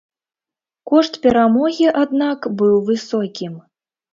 Кошт перамогі, аднак, быў высокім.